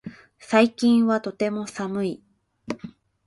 最近はとても寒い